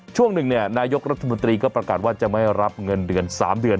ช่วงหนึ่งนายกรัฐมนตรีก็ประกาศว่าจะไม่รับเงินเดือน๓เดือน